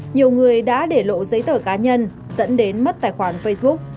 nhiều người đã để lộ giấy tờ cá nhân dẫn đến mất tài khoản facebook